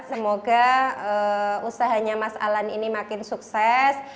semoga usahanya mas alan ini makin sukses